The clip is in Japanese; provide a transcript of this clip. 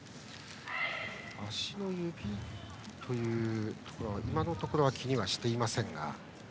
足の指というところは今のところは気にしていませんが。